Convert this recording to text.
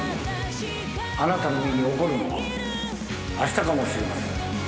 あなたの身に起こるのはあしたかもしれません。